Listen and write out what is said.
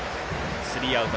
スリーアウト。